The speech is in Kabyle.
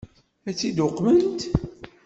Ad tt-id-uqment?